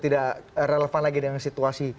tidak relevan lagi dengan situasi